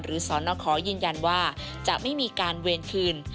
สนขอยืนยันว่าจะไม่มีการเวรคืน